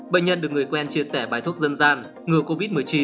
bệnh nhân được người quen chia sẻ bài thuốc dân gian ngừa covid một mươi chín